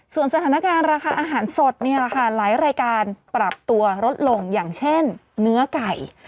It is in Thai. ส่วนสถานการณ์ราคาอาหารสดนี่แหละค่ะหลายรายการปรับตัวลดลงอย่างเช่นเนื้อไก่